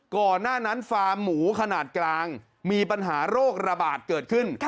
ก่อนหน้านั้นฟาร์มหมูขนาดกลางมีปัญหาโรคระบาดเกิดขึ้น